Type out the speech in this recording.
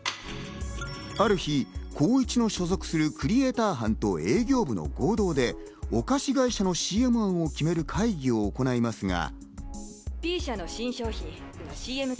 ある日、光一の所属するクリエーター班と営業部の合同でお菓子会社のＣＭ案を決める会議を行いますが。